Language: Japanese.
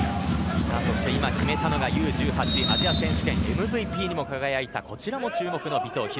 そして決めたのがＵー１８アジア選手権ＭＶＰにも輝いたこちらも注目の尾藤。